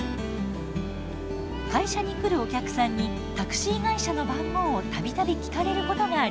会社に来るお客さんにタクシー会社の番号を度々聞かれることがありました。